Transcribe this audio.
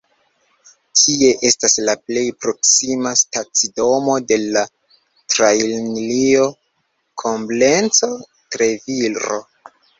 Tie estas la plej proksima stacidomo de la trajnlinio Koblenco-Treviro.